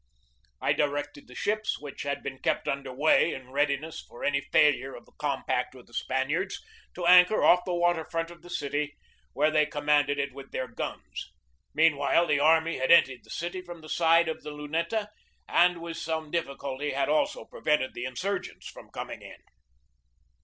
I directed the ships, which had been kept under way in readiness for any failure of the compact with the Spaniards, to anchor off the water front of the city, where they com manded it with their guns. Meanwhile, the army had entered the city from the side of the Luneta, and with some difficulty had also prevented the in surgents from coming in.